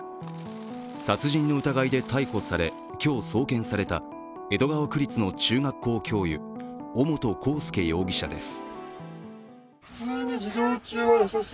殺人の疑いで逮捕され、今日、送検された江戸川区立の中学校教諭、尾本幸祐容疑者です。